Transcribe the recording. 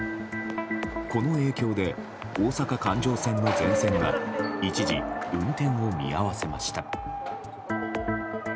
この影響で大阪環状線の全線が一時運転を見合わせました。